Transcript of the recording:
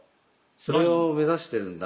それを目指してるんだ。